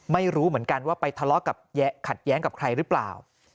ไม่รู้เหมือนกันว่าไปทะเลาะกับขัดแย้งกับใครหรือเปล่า